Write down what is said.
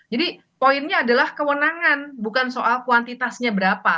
jadi poinnya adalah kewenangan bukan soal kuantitasnya berapa